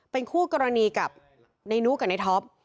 เป็นคู่กรณีกับในนุกับนายท็อป